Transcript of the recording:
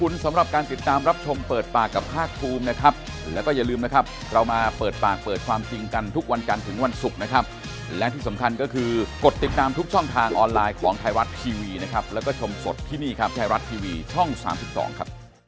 แล้วก็ชมสดที่นี่ครับแชร์รัดทีวีช่อง๓๒ครับ